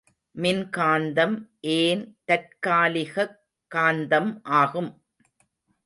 மின்காந்தம் ஏன் தற்காலிகக் காந்தம் ஆகும்?